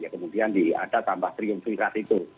kemudian diadakan tambah triumfikat itu